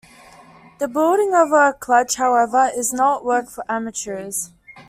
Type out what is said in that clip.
The building of a Kludge, however, is not work for amateurs.